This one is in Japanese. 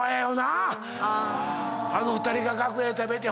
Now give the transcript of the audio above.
あの２人が楽屋で食べて。